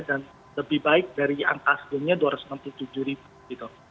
dan lebih baik dari angka hasilnya dua ratus sembilan puluh tujuh ribu gitu